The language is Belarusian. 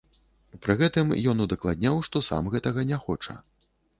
Пры гэтым ён удакладняў, што сам гэтага не хоча.